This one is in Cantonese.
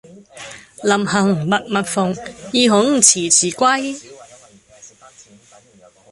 臨行密密縫，意恐遲遲歸。